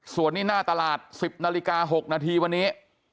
ส่วนนี้หน้าตลาด๑๐นาฬิกา๖นาทีวันนี้